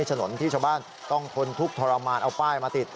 ถนนที่ชาวบ้านต้องทนทุกข์ทรมานเอาป้ายมาติด